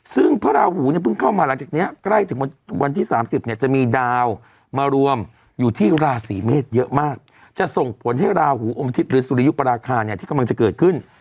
ซึ่งพระราหูเนี่ยเพิ่งเข้ามาหลังจากนี้ใกล้ถึงวันที่๓๐เนี่ยจะมีดาวมารวมอยู่ที่ราศีเมษเยอะมากจะส่งผลให้ราหูอมทิพย์หรือสุริยุปราคาเนี่ยที่กำลังจะเกิดขึ้น